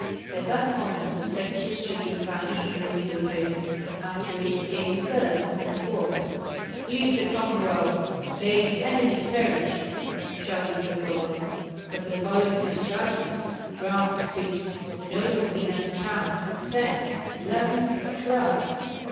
At that moment the second discharge of cannon shook the window panes; after it came a third, and a fourth. "Live the Commonwealth! May its enemies perish!" shouted Zagloba. But the following discharges drowned his speech. The nobles began to count: "Ten, eleven, twelve!"